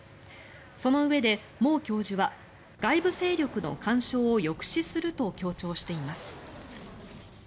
そのうえで、モウ教授は外部勢力の干渉を抑止すると強調しています。